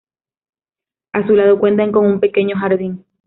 A su lado cuenta con un pequeño jardín.